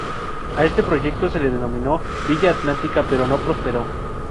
A este proyecto se lo denominó Villa Atlántica pero no prosperó.